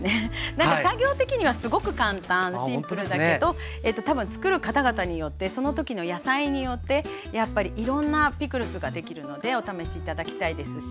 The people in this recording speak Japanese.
なんか作業的にはすごく簡単シンプルだけど多分つくる方々によってその時の野菜によってやっぱりいろんなピクルスができるのでお試し頂きたいですし。